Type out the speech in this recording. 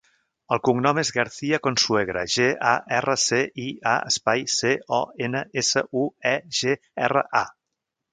El cognom és Garcia Consuegra: ge, a, erra, ce, i, a, espai, ce, o, ena, essa, u, e, ge, erra, a.